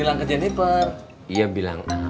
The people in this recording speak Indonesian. nanti kita ke sana